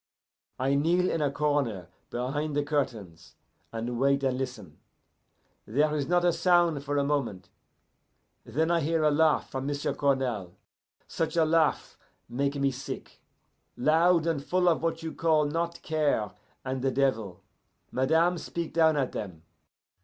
"I kneel in a corner behind the curtains, and wait and listen. There is not a sound for a moment; then I hear a laugh from M'sieu' Cournal, such a laugh make me sick loud, and full of what you call not care and the devil. Madame speak down at them.